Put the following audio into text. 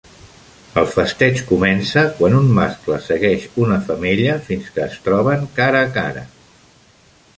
El festeig comença quan un mascle segueix una femella fins que es troben cara a cara.